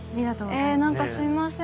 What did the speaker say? え何かすいません。